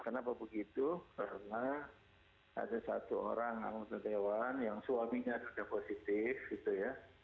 kenapa begitu karena ada satu orang anggota dewan yang suaminya sudah positif gitu ya